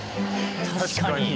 確かに。